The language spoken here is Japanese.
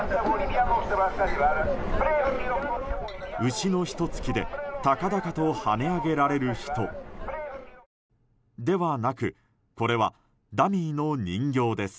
牛のひと突きで高々と跳ね上げられる人。ではなくこれはダミーの人形です。